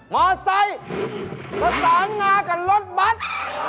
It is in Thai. มอเตอร์ไซด์สร้างงานกับรถบัตร